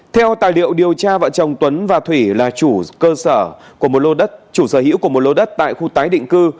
theo tài liệu điều tra vợ chồng tuấn và thủy là chủ cơ sở của một lô đất chủ sở hữu của một lô đất tại khu tái định cư